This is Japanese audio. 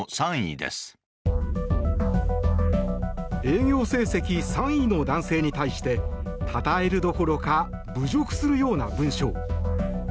営業成績３位の男性に対してたたえるどころか侮辱するような文章。